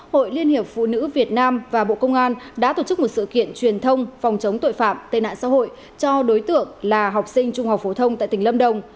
hội liên hiệp phụ nữ việt nam và bộ công an đã tổ chức một sự kiện truyền thông phòng chống tội phạm tên nạn xã hội cho đối tượng là học sinh trung học phổ thông tại tỉnh lâm đồng